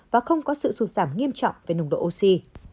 và không có sự sụt giảm nghiêm trọng về nồng độ oxy